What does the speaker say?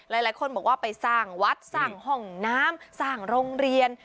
หลายคนบอกว่าไปสร้างวัดสร้างห้องน้ำสร้างโรงเรียน